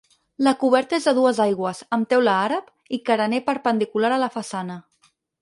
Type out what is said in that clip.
La coberta és a dues aigües, amb teula àrab, i carener perpendicular a la façana.